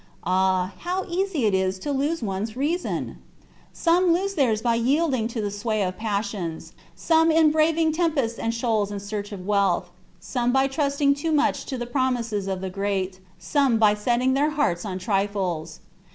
Ah, how easy it is to lose one's reason! Some lose theirs by yielding to the sway of the passions; some in braving tempests and shoals in search of wealth; some by trusting too much to the promises of the great; some by setting their hearts on trifles.